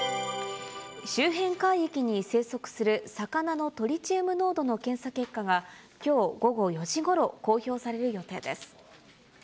周辺海域に生息する魚のトリチウム濃度の検査結果がきょう午後４時ごろ、公表される予定です。